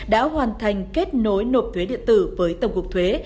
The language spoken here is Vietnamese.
đã hoàn thành kết nối nộp thuế điện tử với tổng cục thuế